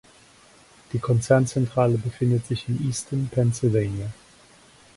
Die Konzernzentrale befindet sich in Easton, Pennsylvania.